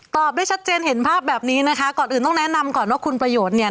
ได้ชัดเจนเห็นภาพแบบนี้นะคะก่อนอื่นต้องแนะนำก่อนว่าคุณประโยชน์เนี่ย